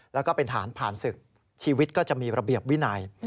แล้วก็เป็นฐานผ่านศึกชีวิตก็จะมีระเบียบวินัย